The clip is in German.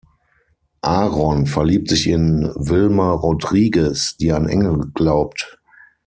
Aaron verliebt sich in Vilma Rodriguez, die an Engel glaubt.